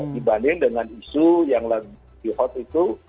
dibanding dengan isu yang lebih hot itu